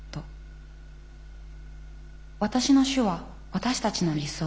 私の主は私たちの理想。